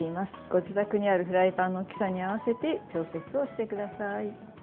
ご自宅にあるフライパンの大きさに合わせて調節をしてください。